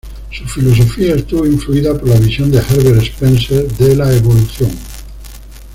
Su filosofía estuvo influida por la visión de Herbert Spencer de la evolución.